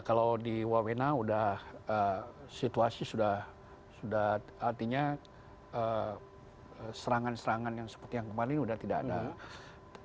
kalau di wamena sudah situasi sudah artinya serangan serangan yang seperti yang kemarin sudah tidak ada